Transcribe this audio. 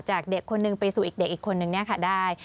จากเด็กคนนึงไปสู่อีกเด็กอีกคนนึงเนี่ยค่ะได้